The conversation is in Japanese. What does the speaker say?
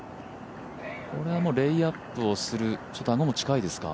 これはレイアップをするあごも近いですか。